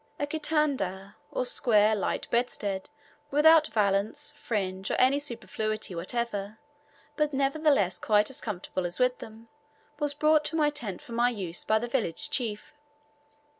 A kitanda, or square light bedstead, without valance, fringe, or any superfluity whatever, but nevertheless quite as comfortable as with them, was brought to my tent for my use by the village chief.